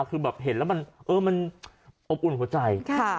คือแบบเห็นแล้วมันอบอุ่นหัวใจ